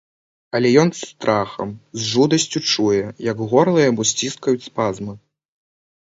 Але ён з страхам, з жудасцю чуе, як горла яму сціскаюць спазмы.